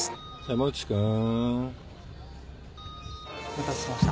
お待たせしました。